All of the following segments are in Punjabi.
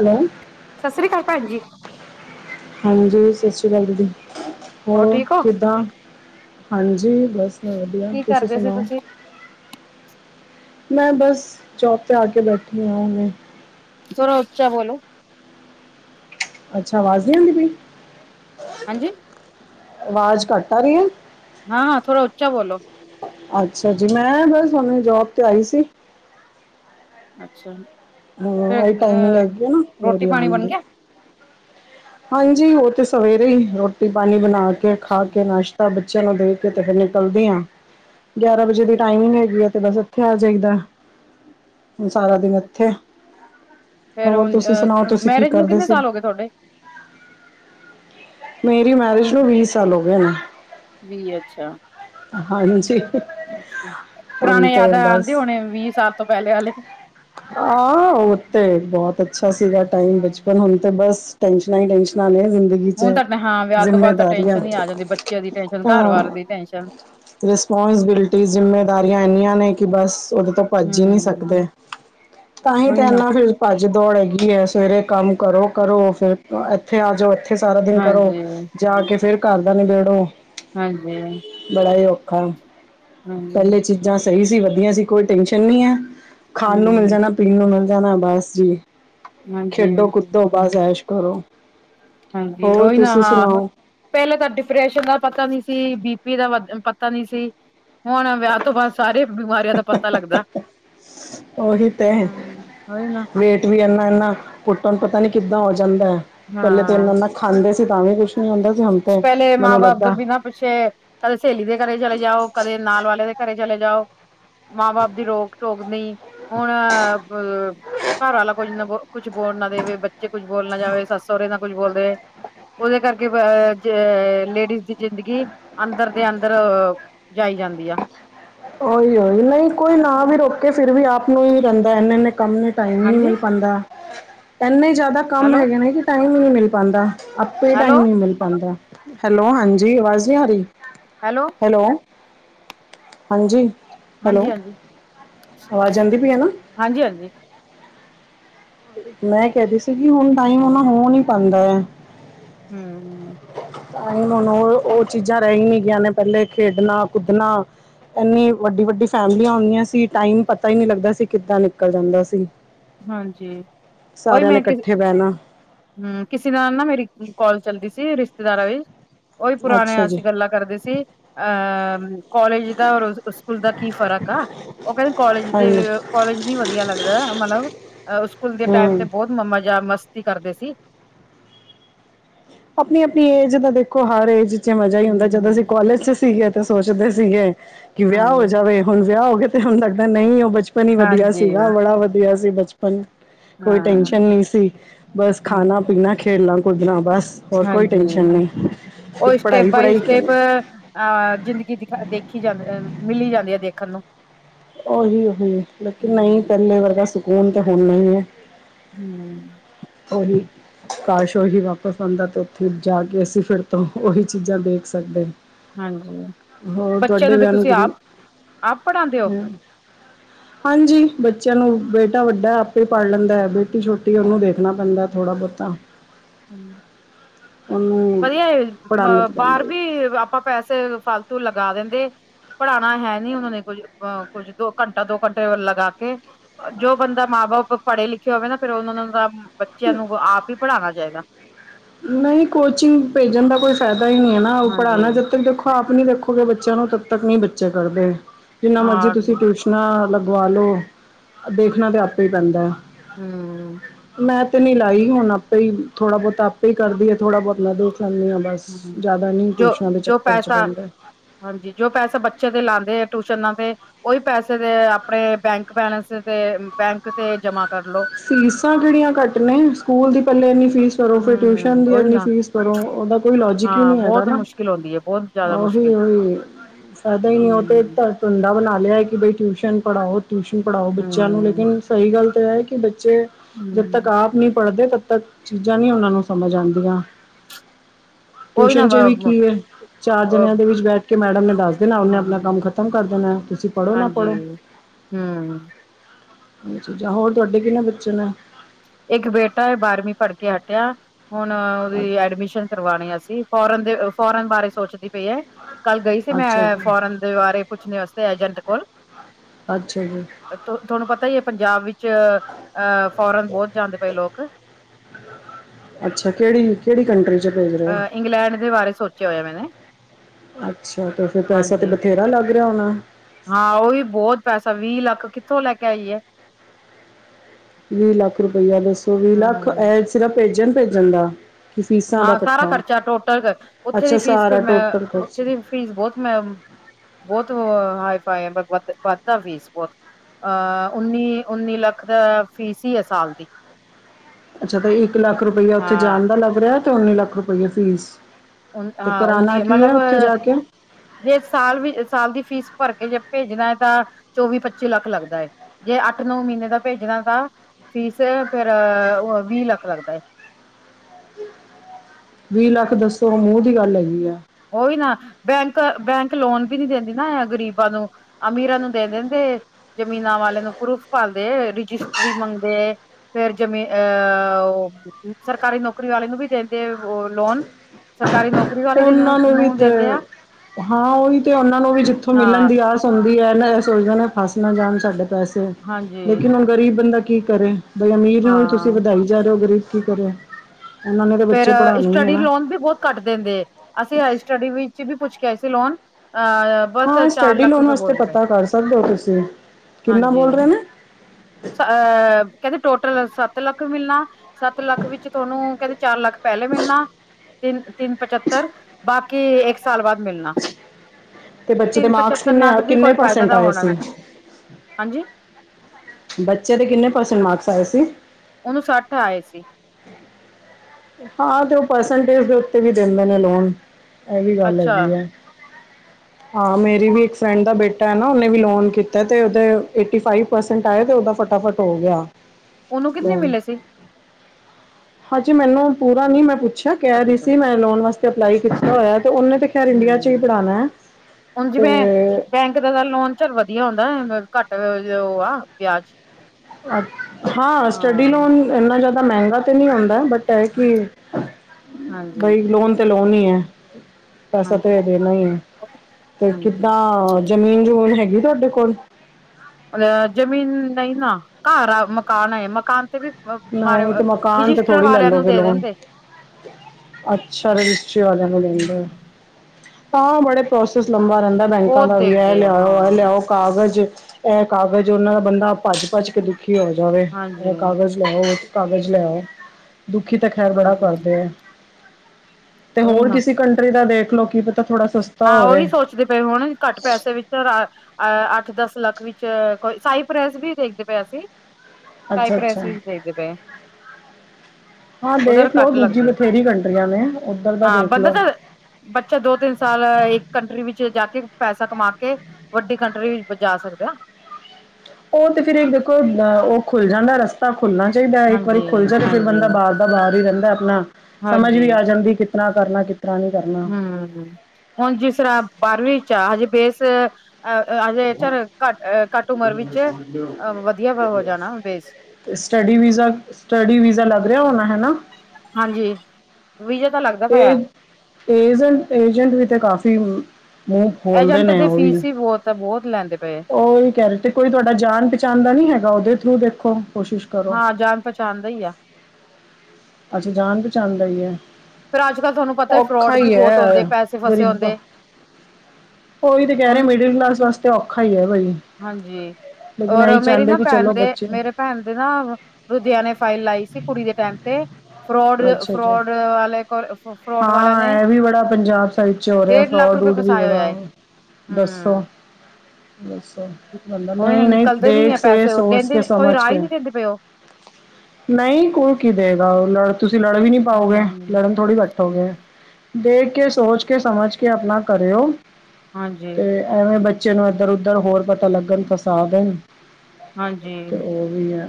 ਹੈਲੋ। ਸਤਿ ਸ਼੍ਰੀ ਕਾਲ ਭੈਣ ਜੀ। ਹਾਂਜੀ ਸਤਿ ਸ੍ਰੀ ਕਾਲ ਦੀਦੀ। ਹੋਰ ਠੀਕ ਹੋ? ਕਿੱਦਾਂ, ਹਾਂਜੀ ਬਸ ਵਧੀਆ, ਕੀ ਤੁਸੀਂ ਕਰਦੇ ਸੀ ਸੁਣਾਓ? ਮੈਂ ਬਸ ਜੌਬ ਤੇ ਆ ਕੇ ਬੈਠੀ ਆ ਹਲੇ। ਜ਼ਰਾ ਉੱਚਾ ਬੋਲੋ। ਅੱਛਾ ਅਵਾਜ਼ ਨੀ ਆਉਂਦੀ ਪਈ, ਹਾਂਜੀ। ਅਵਾਜ਼ ਘੱਟ ਆ ਰੀ ਆ? ਹਾਂ, ਥੋੜਾ ਉੱਚਾ ਬੋਲੋ। ਅੱਛਾ ਜੀ ਮੈਂ ਬਸ ਹੁਣੇ ਜੌਬ ਤੇ ਆਈ ਸੀ। ਅੱਛਾ, ਫੇਰ ਹਾਂ ਇਹ ਟਾਈਮਿੰਗ ਅਹ ਹੈਗੀ ਹੈ ਨਾ ਮੇਰੀ ਰੋਟੀ-ਪਾਣੀ ਆਉਣ ਬਣ ਦੀ ਗਿਆ? ਹਾਂਜੀ ਓ ਤੇ ਸਵੇਰੇ ਈ ਰੋਟੀ-ਪਾਣੀ ਬਣਾ ਕੇ ਖਾ ਅੱਛਾ ਕੇ ਨਾਸ਼ ਤਾਂ ਬੱਚਿਆਂ ਨੂੰ ਦੇਖ ਕੇ ਤੇ ਫਿਰ ਨਿਕਲਦੇ ਆਂ, ਗਿਆਰਾਂ ਵਜੇ ਦੀ ਅੱਛਾ। ਟਾਈਮਿੰਗ ਹੈਗੀ ਆ। ਤੇ ਬਸ ਇਥੇ ਆ ਜਾਈਦਾ। ਹੁਣ ਸਾਰਾ ਦਿਨ ਇੱਥੇ, ਫੇਰ ਹੋਰ ਹੁਣ ਤੁਸੀਂ ਸੁਣਾਓ ਤੁਸੀਂ ਕੀ ਮੈਰਿਜ ਨੂੰ ਕਰਦੇ ਕਿੰਨੇ ਸੀ? ਸਾਲ ਹੋ ਤੁਹਾਡੇ ਮੇਰੀ ਮੈਰਿਜ ਨੂੰ ਵੀਹ ਸਾਲ ਹੋ ਗਏ ਨੇ। ਵੀਹ ਅੱਛਾ। ਹਾਂ ਜੀ। ਪੁਰਾਣੇ ਯਾਦਾਂ ਆਉਂਦੇ ਹੋਣੇ ਵੀਹ ਸਾਲ ਤੋਂ ਪਹਿਲੇ ਵਾਲੇ। ਹਾਂ ਉਹ ਤੇ ਬਹੁਤ ਅੱਛਾ ਸੀਗਾ ਟਾਈਮ, ਹਾਂ। ਬਚਪਨ ਹੁਣ ਤੇ ਬਸ। ਟੈਂਸ਼ਨਾਂ ਹੀ ਟੈਂਸ਼ਨਾਂ ਨੇ ਜ਼ਿੰਦਗੀ ਹੁਣ 'ਚ। ਤਾਂ ਹਾਂ ਵਿਆਹ ਤੋਂ ਬਾਅਦ ਤਾਂ ਜ਼ਿੰਮੇਦਾਰੀਆਂ ਟੈਂਸ਼ਨ ਹੀ ਆ ਜਾਂਦੀ, ਬੱਚਿਆਂ ਦੀ ਟੈਨਸ਼ਨ ਘਰ ਵਾਰ ਦੀ ਟੈਸ਼ਨ। ਰਿਸਪੋਂਸੀਬਿਲਟੀ ਜ਼ਿੰਮੇਦਾਰੀਆਂ ਇੰਨੀਆਂ ਨੇ ਕਿ ਬਸ ਉਹਦੇ ਤੋਂ ਭੱਜ ਹੀ ਨਹੀਂ ਹਮ ਸਕਦੇ, ਤਾਂਹੀ ਤੇ ਉਹੀ ਨਾ ਇਨਾ ਫਿਰ ਭੱਜ ਦੌੜ ਹੈਗੀ ਏ, ਸਵੇਰੇ ਕੰਮ ਕਰੋ- ਕਰੋ, ਫੇਰ ਇੱਥੇ ਆ ਜਾਓ, ਇੱਥੇ ਸਾਰਾ ਦਿਨ ਕਰੋ, ਹਾਂਜੀ ਜਾ ਕੇ ਫੇਰ ਘਰ ਦਾ ਨਿਬੇੜੋ। ਹਾਂਜੀ ਬੜਾ ਹੀ ਔਖਾ, ਹਾਂਜੀ। ਪਹਿਲੇ ਚੀ ਜਾਂ ਸਹੀ ਸੀ, ਵਧੀਆ ਸੀ, ਕੋਈ ਟੈਨਸ਼ਨ ਨਹੀਂ ਹੈ ਖਾਣ ਨੂੰ ਮਿਲ ਹਮ ਜਾਣਾ ਪੀਣ ਨੂੰ ਮਿਲ ਜਾਣਾ ਬਸ ਜੀ। ਹਾਂਜੀ ਖੇਡੋ, ਕੁੱਦੋ, ਬਸ ਐਸ਼ ਕਰੋ। ਹਾਂਜੀ ਹੋਰ ਓਹੀ ਨਾ ਤੁਸੀਂ ਹਾਂ। ਸੁਣਾਓ ਪਹਿਲਾਂ ਤਾਂ ਡਿਪ੍ਰੈਸ਼ਨ ਦਾ ਪਤਾ ਨੀ ਸੀ, ਬੀਪੀ ਦਾ ਪਤਾ ਨਹੀਂ ਸੀ। ਹੁਣ ਵਿਆਹ ਤੋਂ ਬਾਅਦ ਸਾਰੇ ਬਿਮਾਰੀਆਂ ਦਾ ਪਤਾ ਲੱਗਦਾ, ਉਹੀ ਤੇ ਹਮ ਉਹੀ ਨਾ। ਵੀ ਵੇਟ ਇਨਾ -ਇਨਾ ਪੁੱਟਣ ਤੋਂ ਪਹਿਲੇ ਕਿੱਦਾਂ ਹੋ ਜਾਂਦਾ ਹੈ, ਪਹਿਲੇ ਤੇ ਹਾਂ ਇੰਨਾ- ਇੰਨਾ ਦੀ ਖਾਂਦੇ ਸੀ, ਤਾਂ ਵੀ ਕੁਛ ਨੀ ਹੁੰਦਾ। ਸੀ ਹੁਣ ਤੇ ਪਹਿਲੇ ਮਾਂ ਮੈਨੂੰ ਬਾਪ ਤੋਂ ਲੱਗਦਾ ਬਿਨਾਂ ਪੁਛੇ ਕਦੇ ਸਹੇਲੀ ਦੇ ਘਰੇ ਚਲੇ ਜਾਓ, ਕਦੇ ਨਾਲ ਵਾਲੇ ਦੇ ਘਰੇ ਚਲੇ ਜਾਓ। ਮਾਂ ਬਾਪ ਦੀ ਰੋਕ ਟੋਕ ਨਹੀਂ, ਹੁਣ ਅ ਘਰ ਵਾਲਾ ਕੁੱਝ ਨਾ ਕੁਛ ਬੋਲ ਨਾ ਦੇਵੇ, ਬੱਚੇ ਕੁੱਛ ਬੋਲ ਨਾ ਜਾਵੇ, ਸੱਸ ਸਹੁਰੇ ਨਾਲ ਕੁੱਛ ਬੋਲ ਦੇਵੇ, ਉਹਦੇ ਕਰਕੇ ਅ ਜ ਲੇਡੀਜ਼ ਦੀ ਜ਼ਿੰਦਗੀ ਅੰਦਰ ਦੇ ਅੰਦਰ ਜਾਈ ਜਾਂਦੀ ਆ। ਓਹੀ -ਉਹੀ ਨਹੀਂ ਕੋਈ ਨਾ ਵੀ ਰੋਕੇ ਫਿਰ ਵੀ ਆਪ ਨੂੰ ਹੀ ਰਹਿੰਦਾ ਇੰਨੇ- ਇੰਨੇ ਕੰਮ ਨੇ। ਟਾਈਮ ਹੀ ਨਹੀਂ ਹਾਂਜੀ ਮਿਲ ਪਾਂਦਾ, ਇੰਨੇ ਜ਼ਿਆਦਾ ਕੰਮ ਹੈਲੋ ਹੈਗੇ ਨੇ ਕਿ ਟਾਈਮ ਹੀ ਨਹੀਂ ਮਿਲ ਪਾਂਦਾ। ਆਪੇ ਹੈਲੋ ਟਾਈਮ ਨਹੀਂ ਮਿਲ ਪਾਂਦਾ, ਹੈਲੋ, ਹਾਂਜੀ ਆਵਾਜ਼ ਨਹੀਂ ਆ ਰਹੀ। ਹੈਲੋ। ਹੈਲੋ, ਹਾਂਜੀ। ਹੈਲੋ, ਹਾਂਜੀ ਹਾਂਜੀ ਆਵਾਜ਼ ਆਔਦੀ ਪਈ ਹੈ ਨਾ। ਹਾਂਜੀ- ਹਾਂਜੀ! ਮੈਂ ਕਹਿਦੀ ਸੀਗੀ ਹੁਣ ਟਾਈਮ ਉਹ ਹੋ ਨ ਪਾਉਂਦਾ ਹੈ। ਹਮ। ਤਾਂਹੀ ਹੁਣ ਉਹ -ਉਹ ਚੀਜ਼ਾਂ ਰਹਿ ਹੀ ਨਹੀਂ ਗਈਆਂ ਨੇ ਪਹਿਲੇ ਖੇਡਣਾ, ਕੁਦਣਾ। ਇੰਨੀ ਵੱਡੀ -ਵੱਡੀ ਫੈਮਲੀਆਂ ਆਉਂਦੀਆਂ ਸੀ ਟਾਈਮ ਪਤਾ ਹੀ ਨਹੀਂ ਲੱਗਦਾ ਸੀ ਕਿੱਦਾਂ ਨਿਕਲ ਜਾਂਦਾ ਸੀ। ਹਾਂਜੀ। ਉਹੀ ਸਾਰਿਆਂ ਨੇ ਮੈਂ ਕਿਸ ਇਕੱਠੇ ਬਹਿਣਾ। ਹਮ ਕਿਸੇ ਨਾਲ ਨਾ ਮੇਰੀ ਕੋਲ ਚੱਲਦੀ ਸੀ ਰਿਸ਼ਤੇਦਾਰਾਂ ਵਿੱਚ ਉਹੀ ਪੁਰਾਣੀਆਂ ਅੱਛਾ ਜੀ ਅਸੀਂ ਗੱਲਾਂ ਕਰਦੇ ਸੀ। ਅਹ ਕਾਲਜ ਦਾ ਸਕੂਲ ਦਾ ਕੀ ਫ਼ਰਕ ਆ, ਉਹ ਕਹਿੰਦੇ ਕਾਲਜ ਦੇ ਹਾਂਜੀ ਕਾਲਜ ਨੀ ਵਧੀਆ ਲੱਗਦਾ ਮਲਬ ਸਕੂਲ ਦੇ ਟੈਮ ਹਮ ਤੇ ਬੋਤ ਮਜ਼ਾ ਮਸਤੀ ਕਰਦੇ ਸੀ। ਅਪਨੀ-ਅਪਨੀ ਏਜ ਦਾ ਦੇਖੋ ਹਰ ਏਜ ਚ ਮਜ਼ਾ ਹੀ ਹੁੰਦਾ ਜਦੋਂ ਅਸੀਂ ਹਮ ਕੋਲਜ ਚ ਸੀਗੇ ਸੋਚਦੇ ਸੀਗੇ ਕਿ ਵਿਆਹ ਹੋ ਹਾਂਜੀ ਜਾਵੇ ਹੁਣ ਵਿਆਹ ਹੋ ਗਏ ਤੇ ਹੁਣ ਲੱਗਦਾ ਨਈ ਉਹ ਬਚ ਪਨ ਈ ਵਧੀਆ ਹਾਂਜੀ ਸੀਗਾ ਬੜਾ ਵਧੀਆ ਸੀ ਬਚ ਪਨ ਕੋਈ ਹਾਂ ਟੈਸ਼ਨ ਨੀ ਸੀ ਬਸ ਹਮ ਖਾਣਾ-ਪੀਣਾ, ਖੇਡਣਾ-ਕੁੱਦਣਾ ਬਸ। ਹੋਰ ਕੋਈ ਹਾਂਜੀ ਟੈਂਸ਼ਨ ਨੀ ਇੱਕ ਪੜ੍ਹਾਈ-ਪੜ੍ਹਾਈ ਕਰ ਆਹ ਜ਼ਿੰਦਗੀ ਦਿਖਾ ਦੇਖੀ ਜਾ ਮਿਲੀ ਜਾਂਦੀ ਹੈ ਦੇਖਨ ਨੂੰ। ਉਹੀ-ਉਹੀ ਲੇਕਿਨ ਨਈ ਹੂੰ, ਪੈਲੇ ਵਰਗਾ ਸਕੂਨ ਤਾ ਹੁਣ ਨਈ ਐ। ਹੂੰ ਔਰ ਈ ਕਾਸ਼ ਉਹੀ ਵਾਪਸ ਆਂਦਾ ਤੇ ਉੱਥੇ ਜਾ ਕੇ ਅਸੀਂ ਫਿਰ ਤੋਂ ਉਹੀ ਚੀਜ਼ਾਂ ਦੇਖ ਸਕਦੇ। ਹਾਂਜੀ। ਹੋਰ ਬੱਚਿਆਂ ਤੁਹਾਡੇ ਫਿਰ ਵਿਆਹ ਨੂੰ ਤੁਸੀਂ ਕਿਨੀਂ ਆਪ ਆਪ ਪੜ੍ਹਾਉਂਦੇ ਹੋ? ਟੈਮ ਹਾਂਜੀ ਬੱਚਿਆਂ ਨੂੰ ਬੇਟਾ ਵੱਡਾ ਆਪੇ ਪੜ੍ਹ ਲੈਂਦਾ ਹੈ ਬੇਟੀ ਛੋਟੀ ਐ ਓ ਵੇਖਣਾ ਪੈਂਦਾ ਥੋੜਾ ਬੋਤਾ। ਵਧੀਆ ਏ ਪੜ੍ਹਾਉਣਾ ਤਾਂ ਬਾਰ ਪੈਂਦਾ ਹੀ ਵੀ ਆਪਾਂ ਪੈਸੇ ਫਾਲਤੂ ਲਗਾ ਦਿੰਦੇ। ਪੜਾਨਾ ਹੈ ਨੀ ਉਹਨਾਂ ਨੇ ਕੁੱਝ ਘੰਟਾ ਦੋ ਘੰਟੇ ਲਗਾ ਕੇ ਜੋ ਬੰਦਾ ਮਾਂ ਬਾਪ ਪੜ੍ਹੇ ਲਿਖੇ ਹੋਵੇ ਨਾ ਫਿਰ ਉਹਨਾਂ ਨੂੰ ਤਾਂ ਬੱਚਿਆਂ ਨੂੰ ਆਪ ਹੀ ਪੜ੍ਹਾਨਾ ਚਾਈਦਾ। ਨਈ ਕੋਚਿੰਗ ਭੇਜਣ ਦਾ ਕੋਈ ਫਾਇਦਾ ਹੀ ਨੀ ਹੈ ਨਾ ਉਹ ਹਾਂਜੀ। ਪੜ੍ਹਾਣਾ ਜਦ ਤੱਕ ਦੇਖੋ ਆਪ ਨੀ ਦੇਖੋਗੇ ਬੱਚਿਆਂ ਨੂੰ ਤਦ ਤੱਕ ਨੀ ਬੱਚੇ ਕਰਦੇ ਜਿੰਨਾ ਮਰਜ਼ੀ ਹਾਂ, ਤੁਸੀਂ ਟਿਊਸ਼ ਨਾ ਲਗਵਾ ਲੋ ਦੇਖਣਾ ਤੇ ਆਪੇ ਈ ਪੈਂਦਾ। ਹੂੰ ਮੈਂ ਤੇ ਨੀ ਲਾਈ ਹੁਣ ਆਪੇ ਹੀ ਥੋੜਾ ਬੋਤਾ ਪੇ ਕਰਦੀ ਐ ਥੋੜ੍ਹਾ ਬੋਤ ਮੈਂ ਦੇਖ ਲੈਨੀ ਆ ਬਸ ਹੂੰ, ਜਾਦਾ ਨੀ ਜੋ ਟਿਊਸ਼ਨਾਂ ਦੇ ਜੋ ਚੱਕਰ ਚ ਪੈਸਾ ਬਣਦਾ। ਹਾਂਜੀ ਜੋ ਪੈਸੇ ਬੱਚੇ ਤੇ ਲਾਂਦੇ ਟਿਊਸ਼ਨਾਂ ਤੇ ਓਈ ਪੈਸੇ ਦੇ ਆਪਣੇ ਬੈਂਕ ਬੈਲੇੈਂਸ ਤੇ ਬੈਂਕ ਤੇ ਜਮਾ ਕਰਲੋ। ਫੀਸਾਂ ਕੇਹੜੀਆਂ ਘੱਟ ਨੇ ਸਕੂਲ ਦੀ ਪੈਲੇ ਏਨੀ ਫੀਸ ਭਰੋ ਫੇਰ ਟਿਊਸ਼ਨ ਹੂੰ ਦੀ ਉਹੀ ਏਨੀ ਨਾ ਫੀਸ ਭਰੋ ਓਦਾ ਕੋਈ ਲੋਜਿਕ ਹੀ ਹਾਂ ਨੀ ਹੈਗਾ ਬਹੁਤ ਨਾ। ਮੁਸ਼ਕਿਲ ਹੁੰਦੀ ਹੈ ਬਹੁਤ ਜ਼ਿਆਦਾ ਮੁਸ਼ਕਿਲ ਉਹੀ ਫੇਦਾ ਹੀ ਨੀ ਔ ਤੇ ਧ ਹੂੰ ਧੰਦਾ ਬਣਾ ਲਿਆ ਕਿ ਇੱਕ ਬਈ ਟਿਊਸ਼ਨ ਪੜ੍ਹਾਓ ਟਿਊਸ਼ਨ ਪੜ੍ਹਾਓ ਬੱਚਿਆਂ ਨੂੰ ਹੂੰ ਲੇਕਿਨ ਸਈ ਗੱਲ ਤੇ ਇਹ ਏ ਕਿ ਕਿ ਬੱਚੇ ਜਦ ਤੱਕ ਹੂੰ ਆਪ ਨੀ ਪੜ੍ਹਦੇ ਤਦ ਤੱਕ ਚੀਜ਼ਾਂ ਨੀ ਉਹਨਾਂ ਨੂੰ ਸਮਝ ਆਂਦੀਆ। ਉਹੀ ਨਾ ਟਿਊਸ਼ਨ ਬ ਚ ਵੀ ਕੀ ਐ। ਚਾਰ ਅ ਜਣਿਆਂ ਦੇ ਵਿੱਚ ਬੈਠ ਕੇ ਮੈਡਮ ਨੇ ਦੱਸ ਦੇਣਾ ਉਨੇ ਆਪਣਾ ਕੰਮ ਹੂੰ ਖ਼ਤਮ ਕਰ ਦੇਣਾ ਤੁਸੀਂ ਪੜ੍ਹੋ ਨਾ ਹਾਂਜੀ ਪੜ੍ਹੋ। ਹੂੰ [unintelligible] ਹੋਰ ਤੁਹਾਡੇ ਕਿੰਨੇ ਬੱਚੇ ਨੇ? ਏਕ ਬੇਟਾ ਬਾਰਵੀਂ ਪੜ੍ਹਕੇ ਹਟਿਆ ਹੁਣ ਉਹਦੀ ਐਡਮਿਸ਼ਨ ਕਰਵਾਨੀ ਐ ਅਸੀ ਫੋਰਨ ਦੇ ਫੋਰਨ ਬਾਰੇ ਸੋਚਦੀ ਪਈ ਐ ਕੱਲ ਗਈ ਸੀ ਮੈਂ ਅੱਛਾ ਜੀ ਫੋਰਨ ਦੇ ਬਾਰੇ ਪੁੱਛਣ ਆਸਤੇ ਏਜੰਟ ਕੋਲ। ਅੱਛਾ ਜੀ। ਤੁਹਾਨੂੰ ਪਤਾ ਹੀ ਐ ਪੰਜਾਬ ਵਿੱਚ ਅਹ ਫੋਰਨ ਬੋਤ ਜਾਂਦੇ ਪਏ ਲੋਕ। ਅੱਛਾ ਕੇੜੀ-ਕੇੜੀ ਕੰਟਰੀ? 'ਚ ਭੇਜ ਰਹੇ ਹੋ ਅ ਇੰਗਲੈਂਡ ਦੇ ਬਾਰੇ ਸੋਚਿਆ ਹੋਇਆ ਮੈਨੇ। ਅੱਛਾ ਤੇ ਫੇਰ ਪੈਸਾ ਤੇ ਹਾਂਜੀ ਬਥੇਰਾ ਲੱਗ ਰਿਆ ਹੋਣਾ। ਹਾਂ ਉਈ ਬੋਤ ਪੈਸਾ ਵੀਹ ਲੱਖ ਕਿੱਥੋਂ ਲੈ ਕੇ ਆਈਏ। ਵੀਹ ਲੱਖ ਰੁਪਇਆ ਦੱਸੋ ਵੀਹ ਲੱਖ ਹਮ ਐ ਸਿਰਫ ਭੇਜਨ-ਭੇਜਨ ਦਾ। ਕਿ ਫੀਸਾਂ ਦਾ ਹਾਂ ਸਾਰਾ ਇਕੱਠਾ ਖਰਚਾ ਟੋਟਲ ਉੱਥੇ ਦੀ ਅੱਛਾ ਫੀਸ ਫੇਰ ਸਾਰਾ ਮੈਂ ਟੋਟਲ ਖਰਚ ਉੱਥੇ ਦੀ ਫੀਸ ਬਹੁਤ ਮੈ ਬਹੁਤ ਹਾਏ ਫਾਈ ਆ ਵ ਵੱਧ ਆ ਫੀਸ ਬਹੁਤ ਅਹ ਉੱਨੀ-ਉੱਨੀ ਲੱਖ ਦਾ ਫੀਸ ਹੀ ਆ ਸਾਲ ਦੀ ਅੱਛਾ ਤਾਂ ਇੱਕ ਲੱਖ ਰੁਪਇਆ ਉੱਥੇ ਹਾਂ ਜਾਣ ਦਾ ਲੱਗ ਰਿਹਾ ਤੇ ਉੱਨੀ ਲੱਖ ਰੁਪਇਆ ਫੀਸ ਤੇ ਹਾਂ ਕਰਾਣਾ ਉੱਨੀ ਕੀ ਆ ਉੱਥੇ ਮਤਲਬ ਜਾ ਕੇ ਜੇ ਸਾਲ ਵੀ ਸਾਲ ਦੀ ਫੀਸ ਭਰ ਕੇ ਜੇ ਭੇਜਣਾ ਐ ਤਾਂ ਚੌਵੀ, ਪੱਚੀ ਲੱਖ ਲੱਗਦਾ ਏ। ਜੇ ਅੱਠ, ਨੌ ਮਹੀਨੇ ਦਾ ਭੇਜਦਾ ਤਾਂ ਫੀਸ ਫੇਰ ਉਹ ਵੀਹ ਲੱਖ ਲੱਗਦਾ ਏ ਵੀਹ ਲੱਖ ਦੱਸੋ ਮੂੰਹ ਦੀ ਗੱਲ ਹੈਗੀ ਐ ਉਹੀ ਨਾ ਬੈਂਕ ਬੈਂਕ ਲੋਨ ਵੀ ਨੀ ਦੇਂਦੀ ਨਾ ਐਹ ਗਰੀਬਾਂ ਨੂੰ ਅਮੀਰਾਂ ਨੂੰ ਦੇ ਦਿੰਦੇ ਜ਼ਮੀਨਾਂ ਵਾਲੇ ਨੂੰ ਪਰੂਫ਼ ਪਾਲਦੇ ਰਜਿਸਟਰੀ ਮੰਗਦੇ ਫੇਰ ਜਮੀ ਅਹ ਸਰਕਾਰੀ ਨੌਕਰੀ ਵਾਲੇ ਨੂੰ ਵੀ ਦੇ ਦੇ ਉਹ ਲੋਨ, ਸਰਕਾਰੀ ਨੌਕਰੀ ਵਾਲੇ ਦੇ ਉਹਨਾਂ ਨੂੰ ਵੀ ਤੇ ਦਿੰਦੇ ਆ ਹਾਂ ਉਹੀ ਤੇ ਉਹਨਾਂ ਨੂੰ ਵੀ ਜਿੱਥੋਂ ਮਿਲਣ ਹਾਂ ਦੀ ਆਸ ਹੁੰਦੀ ਐ ਨਾ ਇਹ ਸੋਚਦਾ ਨਾ ਫਸ ਨਾ ਜਾਣ ਸਾਡੇ ਪੈਸੇ, ਹਾਂਜੀ ਲੇਕਿਨ ਹੁਣ ਗਰੀਬ ਬੰਦਾ ਕੀ ਕਰੇ ਬਈ ਅਮੀਰ ਨੂੰ ਵੀ ਤੁਸੀਂ ਹਾਂ ਵੱਧਾਈ ਜਾ ਰਹੇ ਹੋ ਗਰੀਬ ਕੀ ਕਰੇ, ਇਹਨਾਂ ਨੇ ਤਾਂ ਫੇਰ ਬੱਚੇ ਪੜਾ ਸਟੱਡੀ ਲੋਨ ਵੀ ਬਹੁਤ ਘੱਟ ਦਿੰਦੇ ਅਸੀਂ ਆਈ ਸਟੱਡੀ ਵਿੱਚ ਵੀ ਪੁੱਛ ਕੇ ਆਏ ਸੀ ਲੋਨ ਅਹ ਹਾਂ ਸਟੱਡੀ ਲੋਨ ਵਾਸਤੇ ਪਤਾ ਕਰ ਸਕਦੇ ਹੋ ਤੁਸੀਂ, ਕਿੰਨਾ ਹਾਂਜੀ ਬੋਲ ਰਹੇ ਨੇ ਅ ਅਹ ਕਹਿੰਦੇ ਟੋਟਲ ਸੱਤ ਲੱਖ ਮਿਲਣਾ ਸੱਤ ਲੱਖ ਵਿੱਚ ਤੁਹਾਨੂੰ ਕਹਿੰਦੇ ਚਾਰ ਲੱਖ ਪਹਿਲੇ ਮਿਲਣਾ ਤਿੰਨ ਤਿੰਨ ਪਚੱਤਰ ਬਾਕੀ ਇ ਕ ਸਾਲ ਬਾਦ ਮਿਲਣਾ, ਤੇ ਬੱਚੇ ਦੇ ਤਿੰਨ ਮਾਰਕਸ ਪਚੱਤਰ ਕਿੰਨੇ ਆ ਨਾਲ ਵੀ ਕਿੰਨੇ ਕੋਈ ਫਾਇਦਾ ਪਰਸੈਂਟ ਤਾਂ ਆਏ ਹੋਣਾ ਸੀ ਹਾਂਜੀ ਬੱਚੇ ਦੇ ਕਿੰਨੇ ਪਰਸੈਂਟ ਮਾਰਕਸ ਆਏ ਸੀ ਉਹਨੂੰ ਸੱਠ ਆਏ ਸੀ ਹਾਂ ਤੇ ਉਹ ਪਰਸੈਂਟੇਜ ਦੇ ਉੱਤੇ ਵੀ ਦਿੰਦੇ ਨੇ ਲੋਨ, ਐਹ ਵੀ ਗੱਲ ਅੱਛਾ ਹੈਗੀ ਐ [inaudible] ਹਾਂ ਮੇਰੀ ਵੀ ਇੱਕ ਫਰੈਂਡ ਦਾ ਬੇਟਾ ਐ ਨਾ ਉਹਨੇ ਵੀ ਲੋਨ ਕੀਤਾ ਤੇ ਉਹਦੇ ਏਟੀ ਫਾਈਵ ਪਰਸੈਂਟ ਆਏ ਤੇ ਉਹਦਾ ਫਟਾਫਟ ਹੋ ਗਿਆ, ਉਹਨੂੰ ਕਿੰਨੇ ਹੂੰ, ਮਿਲੇ ਸੀ ਹਾਂਜੀ ਮੈਨੂੰ ਪੂਰਾ ਨੀ ਮੈਂ ਪੁੱਛਿ ਆ ਕਹਿ ਅੱਛਾ ਰਹੀ ਅੱਛਾ ਸੀ ਮੈਂ ਲੋਨ ਵਾਸਤੇ ਅਪਲਾਈ ਕੀਤਾ ਹੋਇਆ ਤੇ ਉਹਨੇ ਤੇ ਹੂੰ, ਹੁਣ ਜਿਵੇਂ ਅਤੇ ਬੈਂਕ ਦਾ ਤਾਂ ਲੋਨ ਚੱਲ ਵਧੀਆ ਹੁੰਦਾ ਘੱਟ ਅ ਉਹ ਆ ਵਿਆਜ ਹਾਂ ਸਟੱਡੀ ਲੋਨ ਇੰਨਾ ਜ਼ਿਆਦਾ ਮਹਿੰਗਾ ਤੇ ਨੀਂ ਹੁੰਦਾ ਬਟ ਏਹ ਕਿ ਹਾਂਜੀ ਬਈ ਲੋਨ ਤੇ ਲੋਨ ਹੀ ਐ। ਪੈਸਾ ਤੇ ਹਾਂਜੀ ਦੇਣਾ ਹੀ ਐ, ਤੇ ਹਾਂਜੀ ਕਿੱਦਾਂ ਜਮੀਨ ਜਮੂਨ ਹੈਗੀ ਤੁਹਾਡੇ ਕੋਲ ਜ਼ਮੀਨ ਨਹੀਂ ਨਾ ਘਰ ਆ ਮਕਾਨ ਆ ਮਕਾਨ ਵੀ ਮ ਨਹੀਂ ਤਾਂ ਮਕਾਨ 'ਤੇ ਰਜਿਸਟਰ ਥੋੜ੍ਹੀ ਲੈ ਵਾਲਿਆਂ ਨੂੰ ਲਓਗੇ ਦੇ ਲੋਨ ਦਿੰਦੇ ਅੱਛਾ ਰਜਿਸਟਰੀ ਵਾਲਿਆਂ ਨੂੰ [unintelligible] ਹਾਂ ਬੜੇ ਪ੍ਰੋਸੈਸ ਲੰਬਾ ਰਹਿੰਦਾ ਬੈਂਕਾਂ ਬਹੁਤ ਦਾ ਵੀ ਇਹ ਦੇਖਦੇ ਆ ਲਿਆਓ ਇਹ ਹਾਂ ਲਿਆਓ ਕਾਗਜ਼ ਐਹ ਕਾਗਜ਼ ਉਹਨਾਂ ਦਾ ਬੰਦਾ ਭੱਜ ਭੱਜ ਕੇ ਦੁਖੀ ਹੋ ਜਾਵੇ ਹਾਂਜੀ ਐਹ ਕਾਗਜ਼ ਲੈ ਆਓ ਕਾਗਜ਼ ਲੈ ਆਓ ਦੁਖੀ ਤਾਂ ਖ਼ੈਰ ਬੜਾ ਹਾਂਜੀ ਕਰਦੇ ਐ ਤੇ ਉਹੀ ਹੋਰ ਨਾ ਕਿਸੇ ਕੰਟਰੀ ਦਾ ਦੇਖਲੋ ਕੀ ਪਤਾ ਥੋੜਾ ਸਸ ਹਾਂ ਉਹੀ ਸੋਚਦੇ ਪਏ ਹੁਣ ਕਿ ਘੱਟ ਪੈਸੇ ਵਿੱਚ ਆ ਅਹ ਅੱਠ, ਦਸ ਲੱਖ ਵਿੱਚ ਕੋਈ ਸਾਈਪੇਸ ਵੀ ਦੇਖਦੇ ਪਏ ਆ ਅਸੀਂ ਅੱਛਾ ਸਾਈਪ੍ਰੇਸ ਅੱਛਾ ਵੀ ਦੇਖ ਦੇ ਪਏ ਹਾਂ ਉਧਰ ਦੇਖ ਲੋ ਘੱਟ ਦੂਜੀ ਲੱਗਦੇ ਬਥੇਰੀ ਕੰਟਰੀਆਂ ਨੇ ਉੱਧਰ ਦਾ ਹਾਂ ਦੇਖ ਬੰਦਾ ਲੋ ਤਾਂ ਬੱਚਾ ਦੋ [unintelligible] ਸਾਲ ਇੱਕ ਕੰਟਰੀ ਵਿੱਚ ਜਾ ਕੇ ਪੈਸਾ ਕਮਾ ਕੇ ਵੱਡੀ ਕੰਟਰੀ ਵਿੱਚ ਜਾ ਸਕਦੇ ਆਂ। ਓ ਤੇ ਫਿਰ ਦੇਖੋ ਅ ਓ ਖੁੱਲ ਜਾਂਦਾ ਰਸਤਾ ਖੁੱਲਨਾ ਚਾਈਦਾ ਇੱਕ ਵਾਰੀ ਖੁੱਲਜਾ ਤੇ ਫਿਰ ਹਾਂਜੀ-ਹਾਂਜੀ, ਬੰਦਾ ਬਾਰ ਬਾਰ ਈ ਰੈਂਦਾ ਆਪਨਾ, ਸਮਝ ਹਾਂਜੀ ਵੀ ਆ ਜਾਂਦੀ ਕਿਤਰਾਂ ਕਰਨਾ ਕਿਤਰਾਂ ਨਈਂ ਕਰਨਾ। ਹੂੰ, ਹੁਨ ਜਿਸਰਾ ਬਾਰਵੀਂ ਚਾ ਹਜੇ ਬੇਸ ਅ ਹਜੇ ਚਰ ਘੱਟ-ਘੱਟ ਉਮਰ ਵਿੱਚ ਵਦੀਆ ਹੋ ਜਾਨਾ ਬੇਸ। ਤੇ ਸਟੱਡੀ ਵੀਜ਼ਾ ਸਟੱਡੀ ਵੀਜ਼ਾ ਲੱਗ ਰਿਆ ਹੋਨਾ ਹੈਨਾ। ਹਾਂਜੀ ਵੀਜਾ ਤਾਂ ਲੱਗਦਾ ਪਿਆ। ਏਜੰਟ-ਏਜੰਟ ਵੀ ਤੇ ਕਾਫੀ ਹੁ ਮੂੰਹ ਖੋਲਦੇ ਏਜੰਟ ਨੇ ਦੇ ਓਈ ਵੀ ਫੀਸ ਹੀ ਬਹੁਤ ਬਹੁਤ ਲੈਂਦੇ ਪਏ ਓਈ ਕੈ ਕੋਈ ਤੁਆਡਾ ਜਾਨ ਪਹਿਚਾਨ ਦਾ ਨੀ ਹੈਗਾ ਓਦੇ ਥਰੂ ਦੇਖੋ ਕੋਸ਼ਿਸ਼ ਕਰੋ ਹਾਂ ਜਾਨ ਪਚਾਨ ਦਾ ਈ ਆ। ਅੱਛਾ ਜਾਨ ਪਚਾਨ ਦਾ ਈ ਐ। ਫੇਰ ਅੱਜ ਕੱਲ੍ਹ ਤੁਹਾਨੂੰ ਪਤਾ ਔਖਾ ਫਰੋਡ ਵੀ ਈ ਬਹੁਤ ਐ ਹੁੰਦੇ ਪੈਸੇ ਫਸੇ ਗਰੀਬਾ ਹੁੰਦੇ ਓਈ ਤੇ ਕੈ ਰਏ ਆਂ ਹੁਣ ਮਿਡਲ ਕਲਾਸ ਵਾਸਤੇ ਔਖਾ ਈ ਐ ਬਈ। ਹਾਂਜੀ, ਲੇਕਿਨ ਔਰ ਇਹੀ ਮੇਰੀ ਚਾਹੁੰਦੇ ਨਾ ਕਿ ਭੈਨ ਚਲੋ ਦੇ ਬੱਚੇ ਮੇਰੇ ਭੈਣ ਦੇ ਨਾ ਲੁਦਿਆਨੇ ਫਾਈਲ ਲਾਈ ਸੀ ਕੁੜੀ ਦੇ ਟੈਮ ਤੇ ਫਰੋਡ ਅੱਛਾ ਜੀ, ਫਰੋਡ ਵਾਲੇ ਕੋਲ ਫਰੋਡ ਵਾਲਿਆਂ ਹਾਂ ਨੇ ਐ ਵੀ ਬੜਾ ਪੰਜਾਬ ਸਾਈਡ ਚੋ ਰਿਆ ਡੇਢ ਲੱਖ ਫਰੋਡ ਰੁਪਏ ਫਰੂਡ ਵੀ ਫਸਾਇਆ ਬੜਾ ਹੋਇਆ ਹੈ ਹਮ ਦੱਸੋ-ਦੱਸੋ ਬੰਦਾ ਉਹੀ ਨਾ ਨਈਂ-ਨਈਂ ਨਿਕਲਦੇ ਨੀ ਦੇਖ ਹੈ ਸੇ ਪੈਸੇ ਉਹ ਸੋਚ ਦਿੰਦੇ ਕੇ ਕੋਈ ਸਮਝ ਰਾਹ ਹੀ ਕੇ ਨਹੀਂ ਦਿੰਦੇ ਪਏ ਉਹ ਨਈਂ ਕੋਈ ਕੀ ਦੇਏਗਾ ਓ ਲੜ ਤੁਸੀਂ ਲੜ ਵੀ ਨੀ ਪਾਓਗੇ। ਹਮ ਲੜਨ ਥੋੜੀ ਬੈਠੋਗੇ ਦੇਖ ਕੇ ਸੋਚ ਕੇ ਸਮਝ ਕੇ ਆਪਨਾ ਕਰਿਓ। ਹਾਂਜੀ ਤੇ ਐਵੇਂ ਬੱਚੇ ਨੂੰ ਏਦਰ ਉਦਰ ਹੋਰ ਪਤਾ ਲੱਗਨ ਫਸਾ ਦੇਨ ਹਾਂਜੀ ਤੇ ਓ ਵੀ ਐ।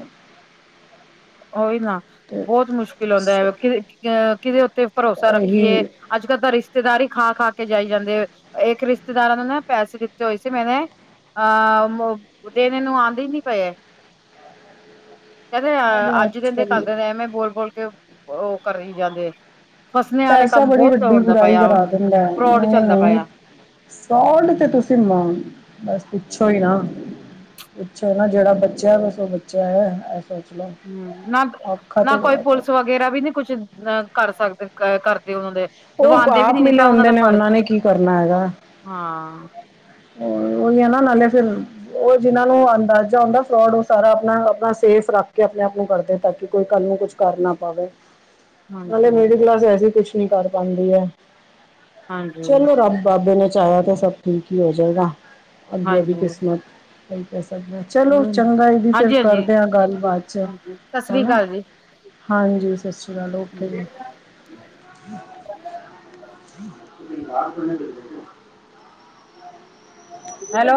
ਓਈ ਨਾ ਤੇ ਬੋਤ ਮੁਸ਼ਕਿਲ ਹੁੰਦਾ ਸ- ਕੇ ਅ ਕਿਦੇ ਉੱਤੇ ਭਰੋਸਾ ਰੱਖੀਏ। ਇਹੀ ਅੱਜ-ਕੱਲ ਤਾਂ ਰਿਸ਼ਤੇਦਾਰ ਈ ਖਾ-ਖਾ ਕੇ ਜਾਈ ਜਾਂਦੇ। ਏਕ ਰਿਸ਼ਤੇਦਾਰਾਂ ਨੂੰ ਨਾ ਪੈਸੇ ਦਿੱਤੇ ਹੋਏ ਸੀ ਮੈਨੇ ਅਹ ਮ ਦੇਨੇ ਨੂੰ ਆਂਦੇ ਈ ਨੀ ਪਏ ਐ। ਹ ਕੈਂਦੇ ਅੱਜ ਦਿੰਦੇ ਕੱਲ ਦਿੰਦੇ ਐਵੇਂ ਬੋਲ-ਬੋਲ ਕੇ ਓ ਕਰੀ ਜਾਂਦੇ ਨੇ। ਪੈਸਾ ਬੜੀ ਵੱਡੀ ਬੁਰਾਈ ਪਿਆ ਕਰਾ ਹੁਣ ਦਿੰਦਾ ਫਰੋਡ ਚੱਲਦਾ ਨਈਂ-ਨਈਂ। ਪਿਆ ਸੋਲਟ ਤੇ ਤੁਸੀਂ ਮ ਬਸ ਪਿੱਛੋ ਈ ਹਮ ਨਾ ਪੁੱਛੋ ਨਾ ਜੇੜਾ ਬੱਚੇਆਂ ਨੂੰ ਬਸ ਓ ਬਚੇਆ ਹੋਏਐ [unintelligible] ਹੂੰ ਨਾ-ਨਾ ਕੋਈ ਹੈ ਪੁਲਿਸ ਵਗ ਵਗੈਰਾ ਵੀ ਨੀ ਕੁਛ ਅ ਕਰ ਸਕਦੇ ਕਰਦੇ ਓਨਾਂ ਦੇ। ਓ ਕ ਦਵਾਂਦੇ ਵੀ ਆਪ ਨੀ ਨੀ ਮਿਲੇ ਤਾਂ ਉਹਨਾਂ ਹੁੰਦੇ ਦਾ ਨੇ ਫਰਜ਼ ਓਨਾਂ ਨੇ ਕੀ ਕਰਨਾ ਹੈਗਾ। ਹਾਂ। ਹਾਂ ਓਈ ਐ ਨਾ ਨਾਲੇ ਫਿਰ ਓ ਜਿਨਾਂ ਨੂੰ ਅੰਦਾਜ਼ਾ ਹੁੰਦਾ ਫਰੋਡ ਓ ਸਾਰਾ ਆਪਨਾ-ਆਪਨਾ ਸੇਫ ਰੱਖ ਕੇ ਆਪਨੇ ਆਪ ਨੂੰ ਕਰਦੇ ਤਾਂ ਕੀ ਕੋਈ ਕੱਲ ਨੂੰ ਕੁਛ ਕਰ ਨਾ ਪਾਵੇ। ਨਾਲੇ ਹਾਂਜੀ ਮੇਡੀ ਕਲਾਸ ਵੈਸੀ ਕੁਛ ਨੀ ਕਰ ਪਾਂਦੀ ਐ ਹਾਂਜੀ ਚਲੋ ਰੱਬ ਬਾਬੇ ਨੇ ਚਾਏਆ ਤੇ ਸਬ ਠੀਕ ਈ ਹੋ ਜੇਗਾ, ਅੱਗੇ ਏਦੀ ਹਾਂਜੀ ਕਿਸਮਤ ਏਈ ਕੈ ਸਕਦੇ ਆਂ। ਚਲੋ ਚੰਗਾ ਈ ਦੀ ਫੇਰ ਹਾਂਜੀ ਹਾਂਜੀ ਕਰਦਿਆਂ ਗੱਲ ਬਾਦ ਚ, ਹਾਂਜੀ ਸਤਿ ਸ੍ਰੀ ਹੈਨਾ। ਅਕਾਲ ਜੀ ਹਾਂਜੀ ਸਸ ਰੀ ਕਾਲ ਓਕੇ ਜੀ। [inaudible] ਹੈਲੋ